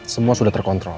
semua sudah terkontrol